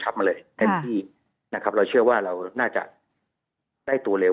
ชับมาเลยเป็นที่นะครับครับเราเชื่อว่าเราน่าจะได้ตัวรวชนะครับ